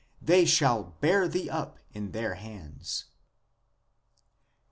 they shall bear thee up in their hands."